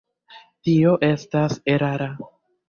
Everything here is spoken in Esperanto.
Tio estas erara.